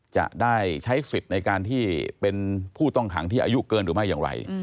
จะได้ใช้สิทธิ์ในการที่เป็นผู้ต้องขังที่อายุเกินหรือไม่อย่างไร